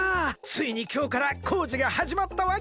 ついにきょうからこうじがはじまったわけ！